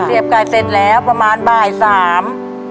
ไก่เสร็จแล้วประมาณบ่ายสาม